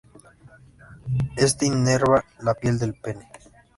Este inerva la piel del pene.